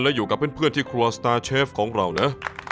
และอยู่กับเพื่อนที่ครัวสตาร์เชฟของเรานะ